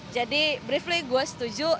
jadi briefly gue setuju